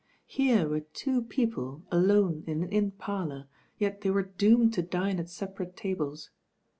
Here were two people alone in an inn parlour, yet they were doomed to dine at separate tables.